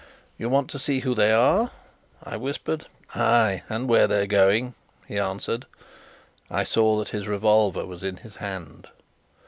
"You want to see who they are?" I whispered. "Ay, and where they're going," he answered. I saw that his revolver was in his hand.